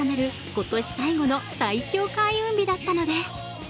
今年最後の最強開運日だったのです。